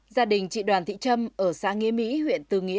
bản thành phố đà nẵng